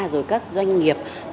rồi các doanh nghiệp